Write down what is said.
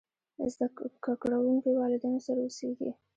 زده کړونکي والدينو سره اوسېږي.